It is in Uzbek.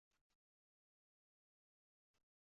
Bosh vazir lavozimiga Ochilboy Ramatov nomzod ko'rsatiladi